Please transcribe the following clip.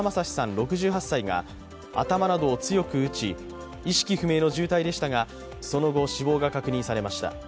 ６８歳が頭などを強く打ち、意識不明の重体でしたがその後、死亡が確認されました。